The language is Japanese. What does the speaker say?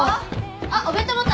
あっお弁当持った？